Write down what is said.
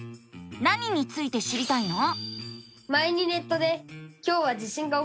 何について知りたいの？